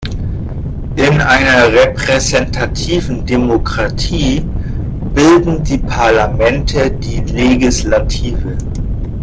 In einer repräsentativen Demokratie bilden die Parlamente die Legislative.